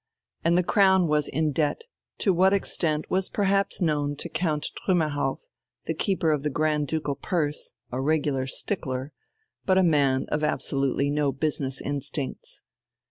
And the Crown was in debt to what extent was perhaps known to Count Trümmerhauff, the Keeper of the Grand Ducal Purse, a regular stickler, but a man of absolutely no business instincts.